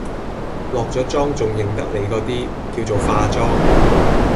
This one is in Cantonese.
落咗妝仲認得你嗰啲，叫做化妝